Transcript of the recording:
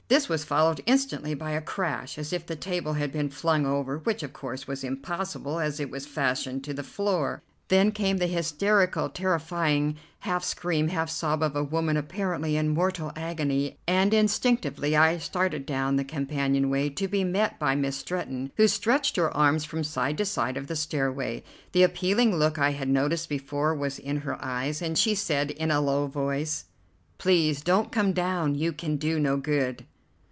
This was followed instantly by a crash, as if the table had been flung over, which of course was impossible, as it was fastened to the floor. Then came the hysterical, terrifying half scream, half sob of a woman apparently in mortal agony, and instinctively I started down the companion way, to be met by Miss Stretton, who stretched her arms from side to side of the stairway. The appealing look I had noticed before was in her eyes, and she said in a low voice: "Please don't come down. You can do no good."